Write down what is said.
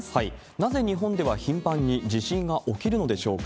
なぜ日本では頻繁に地震が起きるのでしょうか。